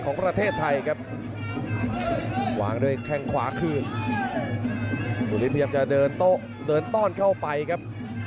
ของประเทศไทยครับวางด้วยแค่งขวาคืนสุริธริย์พยายามจะเดินต้นเข้าไปครับ